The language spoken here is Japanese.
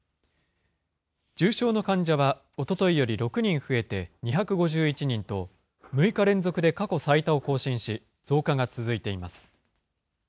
重症の患者はおとといより６人増えて２５１人と、６日連続で過去最多を更新し、増加が続いています。